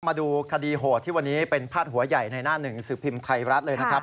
มาดูคดีโหดที่วันนี้เป็นพาดหัวใหญ่ในหน้าหนึ่งสือพิมพ์ไทยรัฐเลยนะครับ